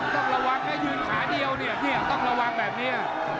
ต้องระวังแค่ยืนขาเดียวเนี่ยต้องระวังแบบนี้